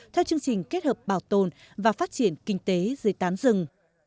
theo chương trình kết hợp bảo tồn và phát triển kinh tế dưới tán rừng